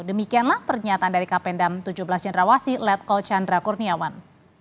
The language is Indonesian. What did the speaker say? demikianlah pernyataan dari kapendam tujuh belas jendrawasi letkol chandra kurniawan